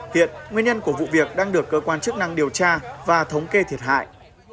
hiện nguyên nhân của vụ việc đang được cơ quan chức năng điều tra và thống kê thiệt hại